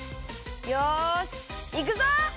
よしいくぞ！